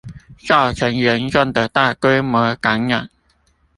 造成嚴重的大規模感染